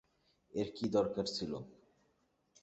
এর কী দরকার ছিল?